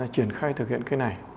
triển khai thực hiện cây này